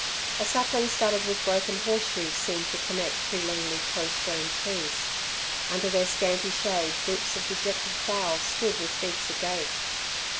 A sapling studded with broken horse shoes seemed to connect two lonely crow stone trees. Under their scanty shade groups of dejected fowls stood with beaks agape.